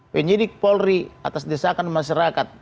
penyidik polri atas desakan masyarakat